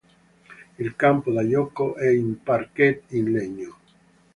Il campo da gioco è in parquet in legno.